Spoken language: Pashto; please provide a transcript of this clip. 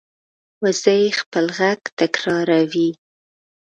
وزې خپل غږ تکراروي